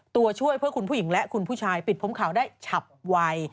ตัวช่วยเพื่อคุณผู้หญิงและคุณผู้ชายปิดผมขาวได้ฉับไว